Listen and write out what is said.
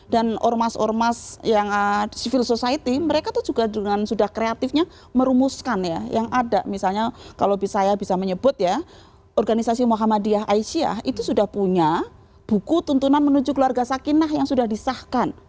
dan ormas ormas yang civil society mereka tuh juga dengan sudah kreatifnya merumuskan ya yang ada misalnya kalau saya bisa menyebut ya organisasi muhammadiyah aisyah itu sudah punya buku tuntunan menuju keluarga sakinah yang sudah disahkan